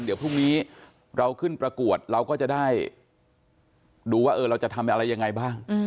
เดี๋ยวพรุ่งนี้เราขึ้นประกวดเราก็จะได้ดูว่าเราจะทำอะไรยังไงบ้าง